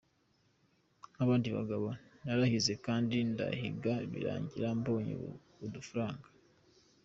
Nk’abandi bagabo narahize kandi ndahinga birangira mbonye udufaranga.